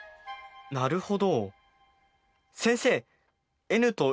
なるほど。